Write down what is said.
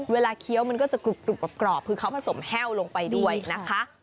เคี้ยวมันก็จะกรุบกรอบคือเขาผสมแห้วลงไปด้วยนะคะ